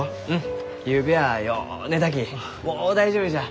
もう大丈夫じゃ。